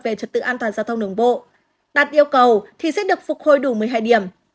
về trật tự an toàn giao thông đường bộ đạt yêu cầu thì sẽ được phục hồi đủ một mươi hai điểm